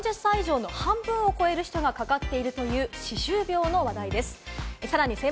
３０歳以上の半分を超える人がかかっていると、歯周病の話題です。